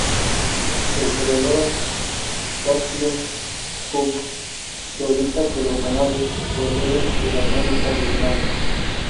La historiadora Kathleen Hughes teoriza que los anales proceden de la "Crónica de Irlanda".